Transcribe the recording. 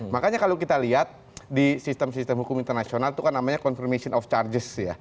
makanya kalau kita lihat di sistem sistem hukum internasional itu kan namanya confirmation of charges ya